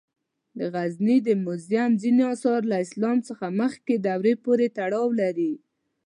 د غزني د موزیم ځینې آثار له اسلام څخه مخکې دورو پورې تړاو لري.